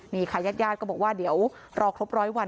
นี่ค่ะญาติญาติก็บอกว่าเดี๋ยวรอครบร้อยวัน